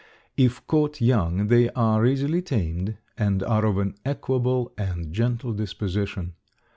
If caught young they are easily tamed, and are of an equable and gentle disposition.